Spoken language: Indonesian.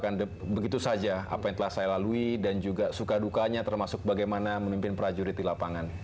saya pun tidak bisa melupakan begitu saja apa yang telah saya lalui dan juga suka dukanya termasuk bagaimana memimpin prajurit di lapangan